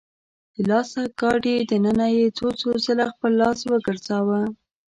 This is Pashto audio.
د لاس ګاډي دننه يې څو څو ځله خپل لاس وګرځاوه .